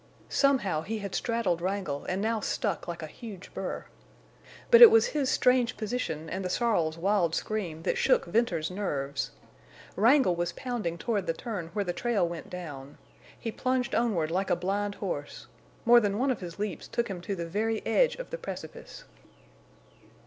Somehow he had straddled Wrangle and now stuck like a huge burr. But it was his strange position and the sorrel's wild scream that shook Venters's nerves. Wrangle was pounding toward the turn where the trail went down. He plunged onward like a blind horse. More than one of his leaps took him to the very edge of the precipice.